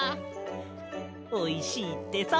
おいしいってさ！